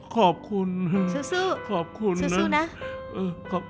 ขอบคุณขอบคุณช่วยสู้นะ